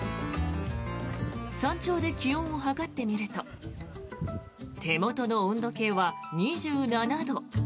山頂で気温を測ってみると手元の温度計は２７度。